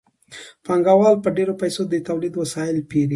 پانګوال په ډېرو پیسو د تولید وسایل پېري